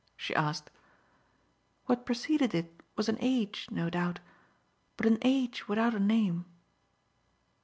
she asked. "What preceded it was an age, no doubt but an age without a name."